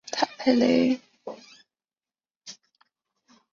坦佩雷的命名来自于芬兰南部城市坦佩雷。